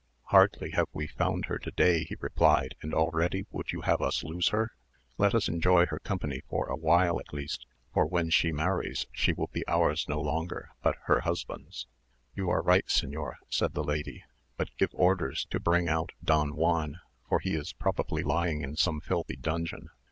"Hardly have we found her to day," he replied, "and already would you have us lose her? Let us enjoy her company for a while at least, for when she marries she will be ours no longer but her husband's." "You are right, señor," said the lady, "but give orders to bring out Don Juan, for he is probably lying in some filthy dungeon."